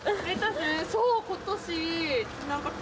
そう今年。